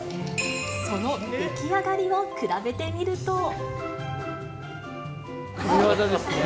その出来上がりを比べてみる神業ですね。